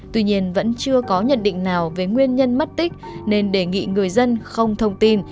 tuy nhiên vẫn chưa có nhận định nào về nguyên nhân mất tích nên đề nghị người dân không thông tin